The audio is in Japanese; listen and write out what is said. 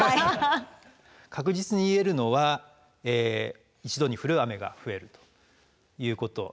確実に言えるのは一度に降る雨が増えるということなんです。